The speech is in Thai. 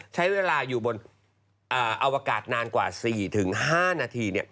ใช้เวลาอยู่บนอวกาศนานกว่า๔๕นาที